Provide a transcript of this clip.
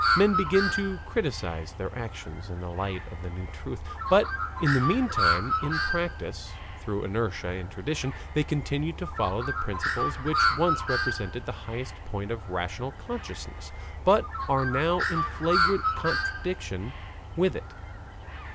Men begin to criticise their actions in the light of the new truth, but in the meantime in practice, through inertia and tradition, they continue to follow the principles which once represented the highest point of rational consciousness, but are now in flagrant contradiction with it.